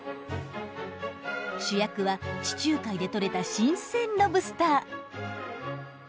主役は地中海で取れた新鮮ロブスター。